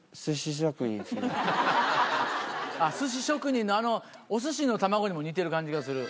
あっすし職人のあのおすしの卵にも似てる感じがする？